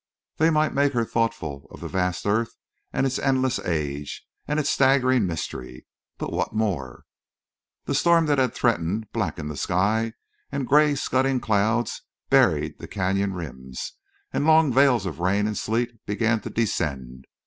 They might make her thoughtful of the vast earth, and its endless age, and its staggering mystery. But what more! The storm that had threatened blackened the sky, and gray scudding clouds buried the canyon rims, and long veils of rain and sleet began to descend.